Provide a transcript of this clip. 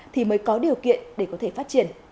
thì mới có điều kiện để có thể phát triển